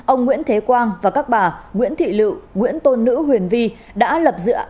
ông nguyễn thế quang và các bà nguyễn thị lựu nguyễn tôn nữ huyền vi đã lập dựa